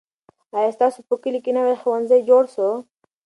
آیا ستاسو په کلي کې نوی ښوونځی جوړ سو؟